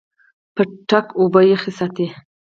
پتک اوبه یخې ساتي.